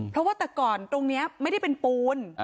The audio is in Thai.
เพราะว่าแต่ก่อนตรงนี้ไม่ได้เป็นปูน